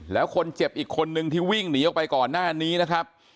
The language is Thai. แล้วคนเจ็บอีกคนนึงที่วิ่งหนีออกไปก่อนหน้านี้นะครับ